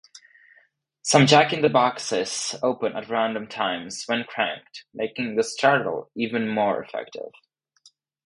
Some jack-in-the-boxes open at random times when cranked, making the startle even more effective.